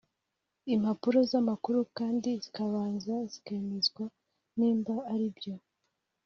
impapuro zamakuru kandi zikabanza zikemezwa nimba aribyo